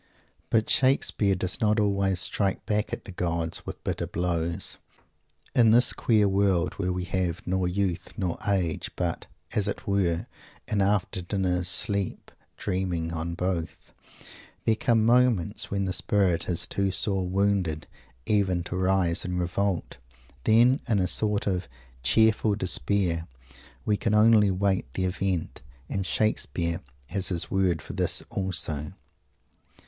But Shakespeare does not always strike back at the gods with bitter blows. In this queer world, where we have "nor youth, nor age, but, as it were, an after dinner's sleep, dreaming on both," there come moments when the spirit is too sore wounded even to rise in revolt. Then, in a sort of "cheerful despair," we can only wait the event. And Shakespeare has his word for this also.